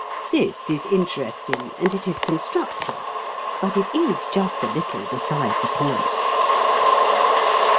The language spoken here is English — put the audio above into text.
This is interesting and it is constructive, but it is just a little beside the point.